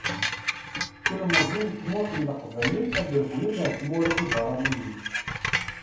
Ilmeẓyen n tmurt n leqbayel ad regglen ara tmura tibeṛṛaniyin.